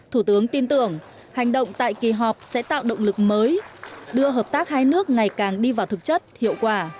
thủ tướng tin tưởng hành động tại kỳ họp sẽ tạo động lực mới đưa hợp tác hai nước ngày càng đi vào thực chất hiệu quả